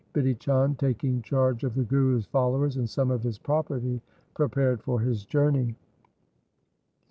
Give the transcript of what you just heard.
Bidhi Chand, taking charge of the Guru's followers and some of his property, prepared for his journey.